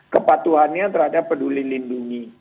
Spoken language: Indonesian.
kepatuhannya terhadap peduli lindungi